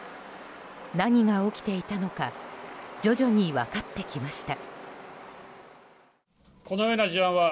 何が起きていたのか徐々に分かってきました。